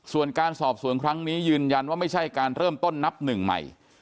ส่วนการสอบสวนครั้งนี้ยืนยันว่าไม่ใช่การเริ่มต้นนับหนึ่งใหม่